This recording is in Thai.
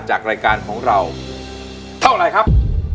จากรายการของเราเท่าไรครับ